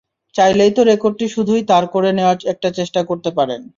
চাইলেই তো রেকর্ডটি শুধুই তাঁর করে নেওয়ার একটা চেষ্টা করতে পারতেন।